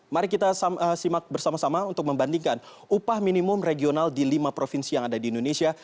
mari kita simak bersama sama untuk membandingkan upah minimum regional di lima provinsi yang ada di indonesia